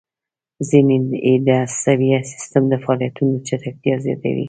ځینې یې د عصبي سیستم د فعالیتونو چټکتیا زیاتوي.